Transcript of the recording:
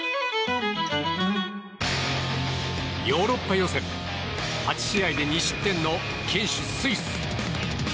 ヨーロッパ予選８試合で２失点の堅守、スイス。